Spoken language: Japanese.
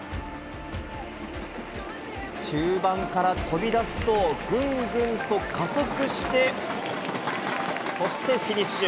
中盤から飛び出すと、ぐんぐんと加速して、そして、フィニッシュ。